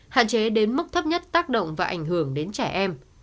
hạn chế đến mức thấp nhất tác động và ảnh hưởng đến trẻ em